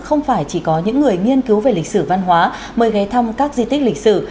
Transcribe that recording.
không phải chỉ có những người nghiên cứu về lịch sử văn hóa mới ghé thăm các di tích lịch sử